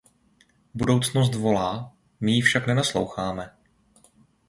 Budoucnost volá, my jí však nenasloucháme.